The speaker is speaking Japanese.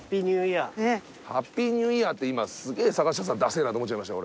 ハッピーニューイヤーって今すげぇ坂下さんだせぇなと思っちゃいました俺。